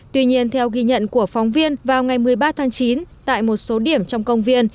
tuy nhiên theo ghi nhận của phóng viên vào ngày một mươi ba tháng chín tại một số điểm trong công viên